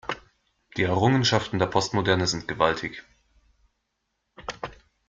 Die Errungenschaften der Postmoderne sind gewaltig.